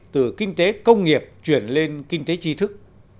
từ kinh tế công nghiệp chuyển lên kinh tế tri thức